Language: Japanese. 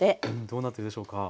どうなってるでしょうか？